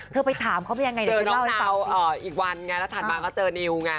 เธอไปถามเขาไปยังไงเจอน้องเท้าอีกวันไงแล้วถัดมาเจอนิวไง